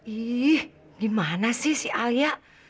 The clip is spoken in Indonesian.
ih gimana sih si alia